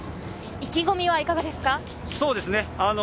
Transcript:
意気込みはいかがですか？